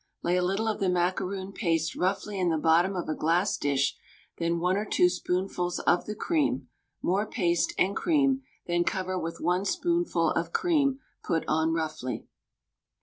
Lay a little of the macaroon paste roughly in the bottom of a glass dish, then 1 or 2 spoonfuls of the cream, more paste and cream, then cover with 1 spoonful of cream put on roughly.